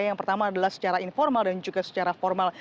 yang pertama adalah secara informal dan juga secara formal